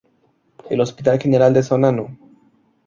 El Hospital General de Zona No.